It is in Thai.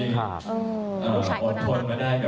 ผู้ชายก็น่ารัก